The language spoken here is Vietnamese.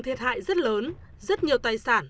thiệt hại rất lớn rất nhiều tài sản